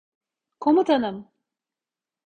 Komutanım!